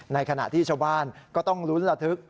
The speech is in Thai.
ในขณะที่ชาวบ้านก็ต้องลุ้นระทึก